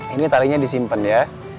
ini talinya disimpen ya